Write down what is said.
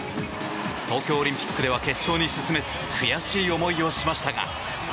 東京オリンピックでは決勝に進めず悔しい思いをしましたが。